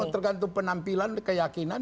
ini tergantung penampilan keyakinan